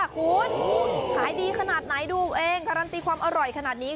คุณขายดีขนาดไหนดูเองการันตีความอร่อยขนาดนี้